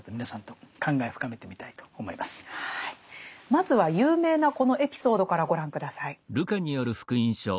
まずは有名なこのエピソードからご覧下さい。